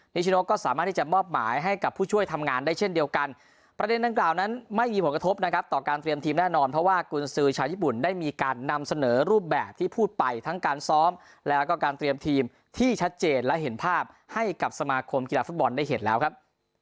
ชโนก็สามารถที่จะมอบหมายให้กับผู้ช่วยทำงานได้เช่นเดียวกันประเด็นดังกล่าวนั้นไม่มีผลกระทบนะครับต่อการเตรียมทีมแน่นอนเพราะว่ากุญสือชาวญี่ปุ่นได้มีการนำเสนอรูปแบบที่พูดไปทั้งการซ้อมแล้วก็การเตรียมทีมที่ชัดเจนและเห็นภาพให้กับสมาคมกีฬาฟุตบอลได้เห็นแล้วครับ